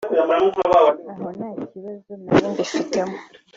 aho nta kibazo nari mbifiteho